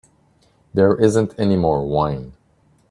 There isn't any more wine.